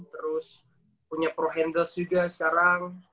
terus punya pro henders juga sekarang